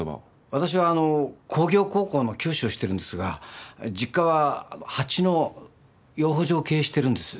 私はあの工業高校の教師をしているんですが実家は蜂の養蜂場を経営しているんです。